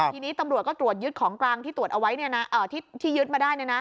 ทีนี้ตำรวจก็ตรวจยึดของกลางที่ยึดมาได้